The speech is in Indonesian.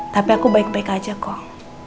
tapi aku baik baik aja kok